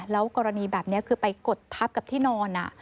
แล้วกรณีแบบนี้คือไปกดทับกับที่นอน